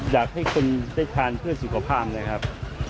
อยากให้คนได้ทานเพื่อสุขภาพเลยครับ